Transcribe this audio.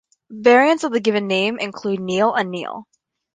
Variants of the given name include: "Neale" and "Neal".